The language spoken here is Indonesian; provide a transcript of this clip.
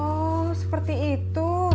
oh seperti itu